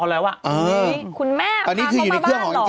เออคุณแม่ทำก็มาบ้านเหรอคุณแม่ตอนนี้คืออยู่ในเครื่องของแอนจิ